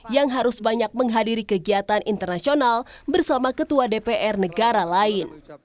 yang harus banyak menghadiri kegiatan internasional bersama ketua dpr negara lain